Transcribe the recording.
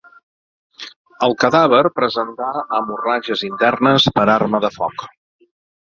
El cadàver presentà hemorràgies internes per arma de foc.